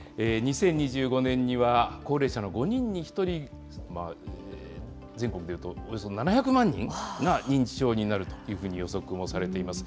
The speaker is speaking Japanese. ２０２５年には、高齢者の５人に１人、全国で言うとおよそ７００万人が認知症になるというふうに予測をされています。